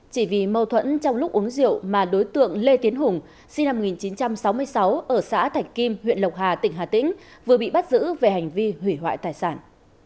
chỉ vì mâu thuẫn trong lúc uống rượu mà đối tượng lê tiến hùng sinh năm một nghìn chín trăm sáu mươi sáu ở xã thạch kim huyện lộc hà tỉnh hà tĩnh vừa bị bắt giữ về hành vi hủy hoại tài sản